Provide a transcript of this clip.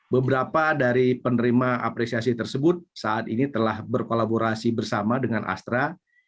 beberapa dari penerima apresiasi tersebut saat ini telah berkolaborasi bersama dengan astra